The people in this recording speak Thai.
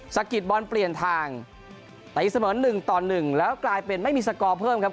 สักกิตบอลเปลี่ยนทางแต่อีกเสมอ๑ต่อ๑แล้วกลายเป็นไม่มีสกอร์เพิ่มครับ